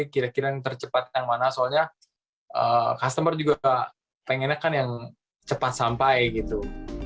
kira kira yang tercepat yang mana soalnya customer juga pengennya kan yang cepat sampai gitu